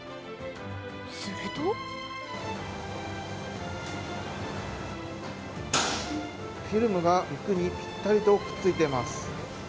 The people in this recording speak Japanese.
するとフィルムが肉にぴったりとくっついています。